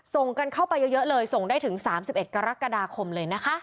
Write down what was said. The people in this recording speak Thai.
ส่งกันเข้าไปเยอะเลยส่งได้ถึง๓๑กรกฎาคมเลยนะคะ